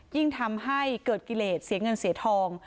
ยิ่งทำให้เกิดกิเลสเสียเงินเสียทอง